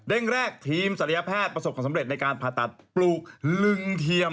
แรกแรกทีมศัลยแพทย์ประสบความสำเร็จในการผ่าตัดปลูกลึงเทียม